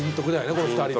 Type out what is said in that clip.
この２人の。